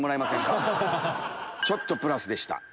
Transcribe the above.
ちょっとプラスでした。